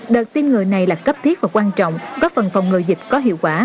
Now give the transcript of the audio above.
đợt tiêm người này là cấp thiết và quan trọng góp phần phòng ngừa dịch có hiệu quả